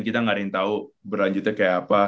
kita gak ada yang tau berlanjutnya kayak apa